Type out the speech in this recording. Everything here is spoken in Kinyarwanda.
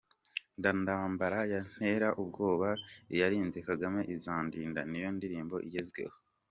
Nda ndambara yantera ubwoba iyarinze Kagame izandinda 🎶🎶 Niyo ndirimbo igezweho.